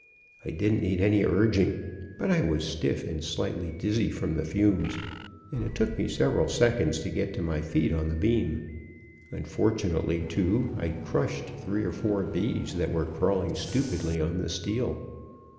"I didn't need any urging; but I was stiff and slightly dizzy from the fumes, and it took me several seconds to get to my feet on the beam. Unfortunately, too, I crushed three or four bees that Were crawling stupidly on the steel.